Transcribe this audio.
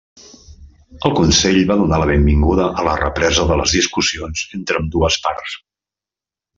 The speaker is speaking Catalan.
El Consell va donar la benvinguda a la represa de les discussions entre ambdues parts.